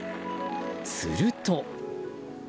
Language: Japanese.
すると。